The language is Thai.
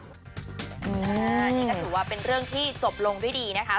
อันนี้ก็ถือว่าเป็นเรื่องที่จบลงด้วยดีนะคะ